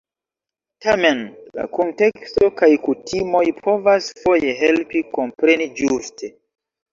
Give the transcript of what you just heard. Tamen, kunteksto kaj kutimoj povas foje helpi kompreni ĝuste.